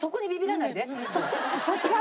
違う？